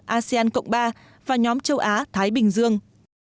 asean cộng ba và nhóm châu á thái bình dương